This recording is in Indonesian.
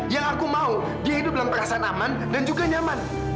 yang aku mau dia hidup dalam perasaan aman dan juga nyaman